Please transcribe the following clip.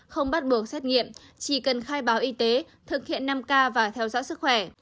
không bắt buộc xét nghiệm chỉ cần khai báo y tế thực hiện năm k và theo dõi sức khỏe